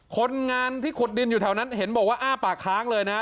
คนงานที่ขุดดินอยู่แถวนั้นเห็นบอกว่าอ้าปากค้างเลยนะ